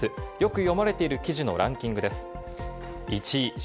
よく読まれている記事のランキングです。